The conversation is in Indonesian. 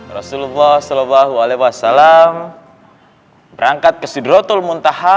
rasulullah saw berangkat ke sidratul muntaha